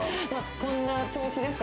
こんな調子ですか？